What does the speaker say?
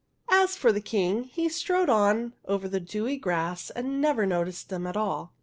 As for the King, he strode on over the dewy grass and never noticed them at all.